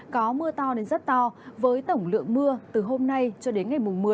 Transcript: có mưa to đến rất to với tổng lượng mưa từ hôm nay cho đến ngày một mươi